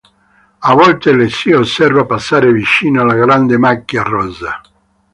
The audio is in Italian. A volte le si osserva passare vicino alla Grande Macchia Rossa.